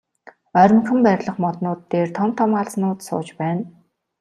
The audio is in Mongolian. Ойрмогхон байрлах моднууд дээр том том аалзнууд сууж байна.